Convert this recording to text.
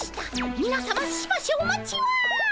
みなさましばしお待ちを。